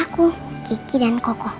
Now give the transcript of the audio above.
kiki dan koko